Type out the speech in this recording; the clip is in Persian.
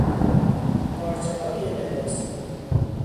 پارچههای لباسی